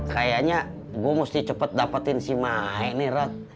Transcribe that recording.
kayaknya gue mesti cepet dapetin si mae nih rod